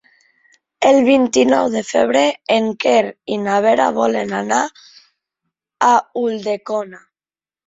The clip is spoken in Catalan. El vint-i-nou de febrer en Quer i na Vera volen anar a Ulldecona.